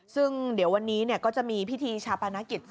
ซึ่งเดี๋ยววันนี้ก็จะมีพิธีชาปนกิจ